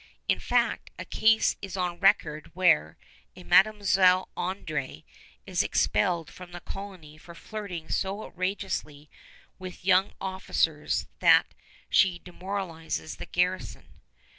In fact, a case is on record where a Mademoiselle André is expelled from the colony for flirting so outrageously with young officers that she demoralizes the garrison.